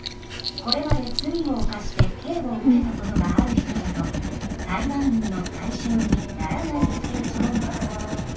これまで罪を犯して刑を受けたことがある人など裁判員の対象にならない人たちもいます。